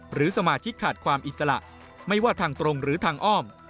หรือสมาชิกขาดความอิสระไม่ว่าทางตรงหรือทางอ้อม